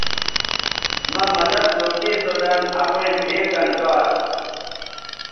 مہ مدد لوکھی سو دَن اپیئں ڙھیئں کَن گا اسو